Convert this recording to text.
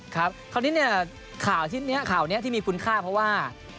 ครับข่าวนี้เนี่ยข่าวที่มีคุณค่าเพราะว่า